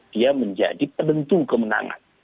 dia menjadi penentu kemenangan